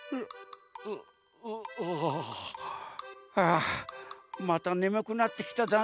あまたねむくなってきたざんす。